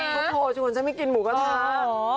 โทษโทษโทษชวนจะไม่กินหมูกะท้า